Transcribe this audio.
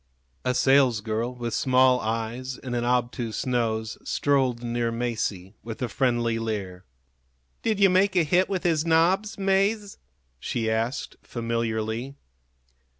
A salesgirl, with small eyes and an obtuse nose, strolled near Masie, with a friendly leer. "Did you make a hit with his nobs, Mase?" she asked, familiarly.